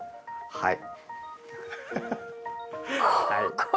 はい。